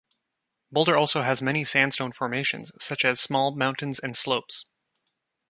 Boulder also has many sandstone formations, such as small mountains and slopes.